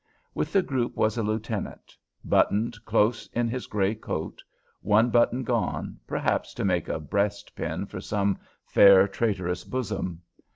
With the group was a lieutenant, buttoned close in his gray coat, one button gone, perhaps to make a breastpin for some fair traitorous bosom.